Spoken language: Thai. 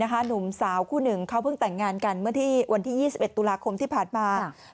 หนุ่มสาวคู่หนึ่งเขาเพิ่งแต่งงานกันเมื่อวันที่๒๑ตุลาคมที่ผ่านมา